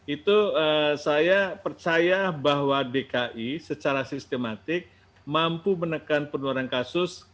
itu saya percaya bahwa dki secara sistematik mampu menekan penularan kasus